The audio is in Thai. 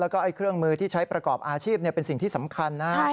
แล้วก็เครื่องมือที่ใช้ประกอบอาชีพเป็นสิ่งที่สำคัญนะครับ